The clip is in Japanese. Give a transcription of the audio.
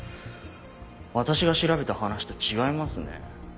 私が調べた話と違いますね。